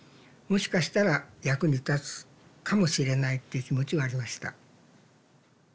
もしかしたら役に立つかもしれないっていう気持ちはありました。